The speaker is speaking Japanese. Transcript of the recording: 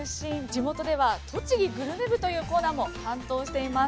地元では栃木グルメ部というコーナーも担当しています。